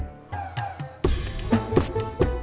gak cukup pulsaanya